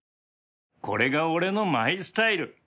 これが俺のマイスタイル